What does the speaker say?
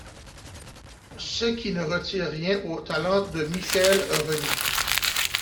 Ce qui ne retire rien au talent de Michael Renie.